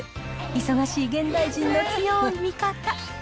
忙しい現代人の強い味方。